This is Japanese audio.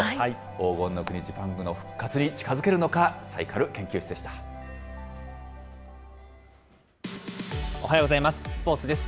黄金の国・ジパングの復活に近づおはようございます。